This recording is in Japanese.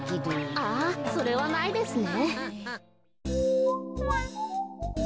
あそれはないですね。